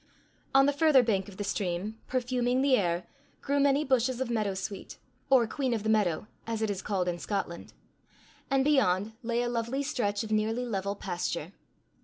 On the further bank of the stream, perfuming the air, grew many bushes of meadow sweet, or queen of the meadow, as it is called in Scotland; and beyond lay a lovely stretch of nearly level pasture.